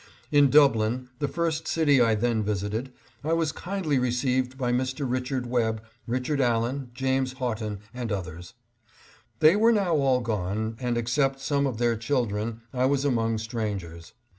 In Dublin, the first city I then visited, I was kindly received by Mr. Richard Webb, Richard Allen, James Haughton, and others. They were now all gone, and except some of their children, I was among strangers.